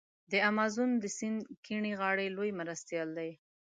د امازون د سیند کیڼې غاړي لوی مرستیال دی.